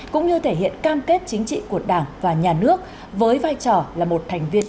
cũng như thể hiện cam kết chính trị của đảng và nhà nước với vai trò là một thành viên